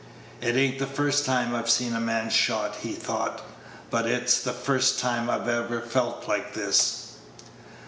"It a'n't the first time I've seen a man shot," he thought, "but it's the first time I've felt like this."